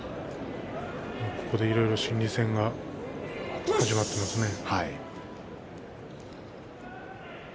いろいろ心理戦が始まっていますね。